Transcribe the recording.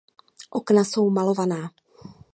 Okna jsou malovaná.